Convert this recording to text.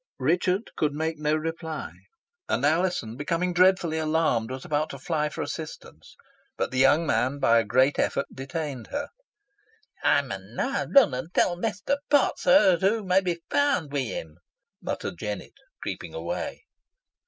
Richard could make no reply, and Alizon, becoming dreadfully alarmed, was about to fly for assistance, but the young man, by a great effort, detained her. "Ey mun now run an tell Mester Potts, so that hoo may be found wi' him," muttered Jennet, creeping away.